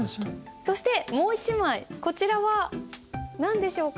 そしてもう一枚こちらは何でしょうか？